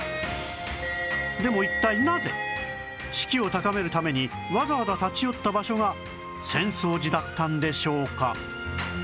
でも一体なぜ士気を高めるためにわざわざ立ち寄った場所が浅草寺だったんでしょうか？